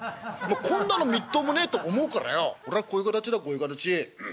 こんなのみっともねえと思うからよ俺はこういう形だこういう形。